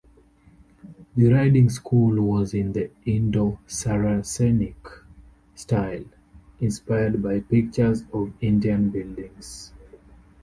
The riding school was in the "Indo-Saracenic" style, inspired by pictures of Indian buildings.